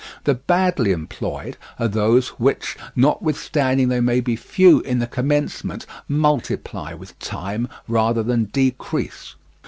The badly employed are those which, notwithstanding they may be few in the commencement, multiply with time rather than decrease.